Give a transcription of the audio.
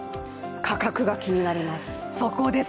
価格が気になります。